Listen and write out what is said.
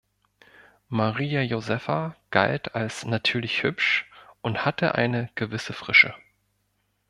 Maria Josepha galt als „natürlich hübsch“ und hatte ein „gewisse Frische“.